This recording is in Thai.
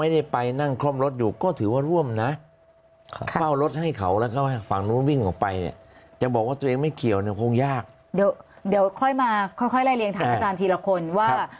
เดี๋ยวค่อยมาค่อยและเรียงถามอาจารย์ทีละคนว่า